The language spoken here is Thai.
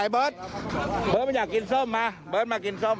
ไบ้บิทมากินส้ม